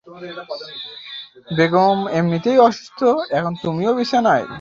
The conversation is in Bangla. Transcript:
বেগম এমনিতেই অসুস্থ, এখন তুমিও বিছানায়।